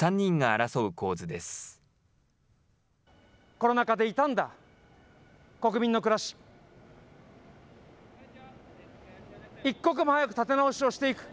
コロナ禍で痛んだ国民の暮らし、一刻も早く立て直しをしていく。